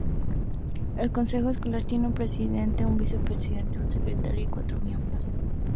El consejo escolar tiene un presidente, un vicepresidente, un secretario, y cuatros miembros.